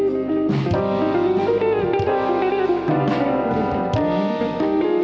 terima kasih banyak ibu